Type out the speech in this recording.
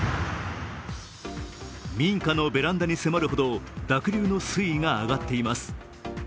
民家のベランダに迫るほど濁流の水位が上がっています。